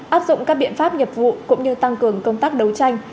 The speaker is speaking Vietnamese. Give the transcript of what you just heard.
áp dụng các biện pháp nghiệp vụ cũng như tăng cường công tác đấu tranh